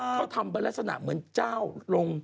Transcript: เขาทำเป็นลักษณะเหมือนเจ้าลง